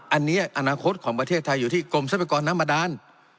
อันนี้อนาคตของประเทศไทยอยู่ที่กรมทรัพยากรน้ำบาดาน